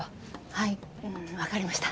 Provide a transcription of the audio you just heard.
はい分かりました。